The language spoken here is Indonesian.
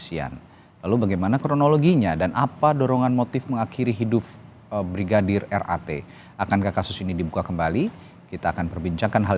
sebelum korban ditemukan tewas sang istri menyebut brigadir rat masih berada di dalam mobil